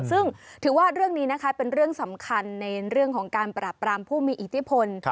ซึ่งถือว่าเรื่องนี้นะคะเป็นเรื่องสำคัญในเรื่องของการปราบปรามผู้มีอิทธิพล